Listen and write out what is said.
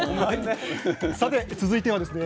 さて続いてはですね